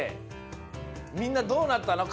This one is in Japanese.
みんなどうなったの？